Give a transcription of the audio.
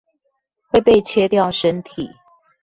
會被切掉身體